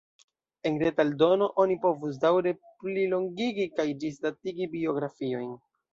En reta eldono oni povus daŭre plilongigi kaj ĝisdatigi biografiojn.